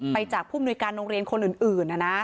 ไปจากผู้บุญการโรงเรียนคนอื่นอ่ะนะ